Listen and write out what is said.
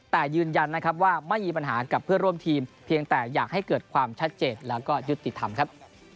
แต่ยืนยันนะครับว่าไม่มีปัญหากับเพื่อนร่วมทีมเพียงแต่อยากให้เกิดความชัดเจนแล้วก็ยุติธรรมครับ